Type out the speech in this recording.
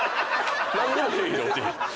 何にも経費で落ちひん。